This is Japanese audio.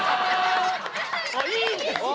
あっいいですね！